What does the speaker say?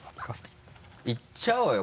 いっちゃおうよ